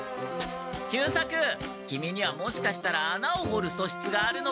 久作キミにはもしかしたら穴を掘るそしつがあるのかもしれない。